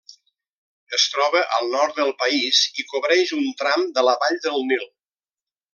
Es troba al nord del país i cobreix un tram de la vall del Nil.